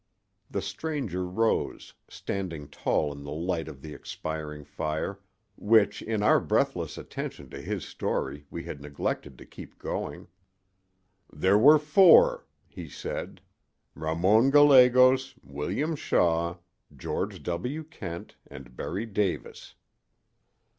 The stranger rose, standing tall in the light of the expiring fire, which in our breathless attention to his story we had neglected to keep going. "There were four," he said—"Ramon Gallegos, William Shaw, George W. Kent and Berry Davis."